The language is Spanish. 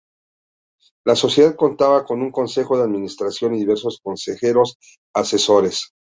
La Sociedad contaba con un consejo de administración y diversos consejeros asesores.